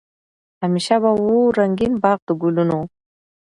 همېشه به وو رنګین باغ د ګلونو